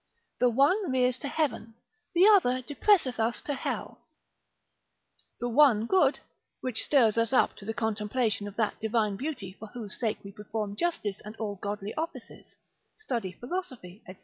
The one rears to heaven, the other depresseth us to hell; the one good, which stirs us up to the contemplation of that divine beauty for whose sake we perform justice and all godly offices, study philosophy, &c.